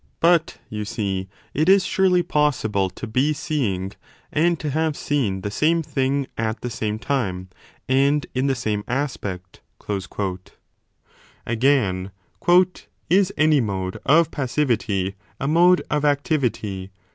But, you see, it is surely possible to be :o seeing and to have seen the same thing at the same time, and in the same aspect. Again, Is any mode of passivity a mode of activity